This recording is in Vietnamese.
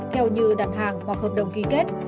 theo như đặt hàng hoặc hợp đồng ký kết